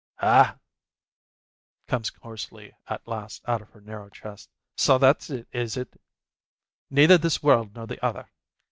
"Ha !" comes hoarsely at last out of her narrow chest. "So that's it, is it? Neither this world nor the other.